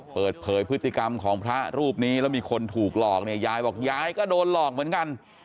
เปิดเผยพฤติกรรมของพระรูปนี้แล้วมีคนถูกหลอกเนี่ยยายบอกยายก็โดนหลอกเหมือนกัน